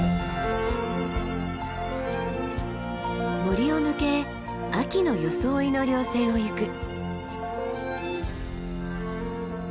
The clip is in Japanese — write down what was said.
森を抜け秋の装いの稜線を行く。